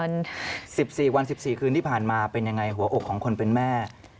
๑๔วัน๑๔คืนที่ผ่านมาเป็นยังไงหัวอกของคนเป็นแม่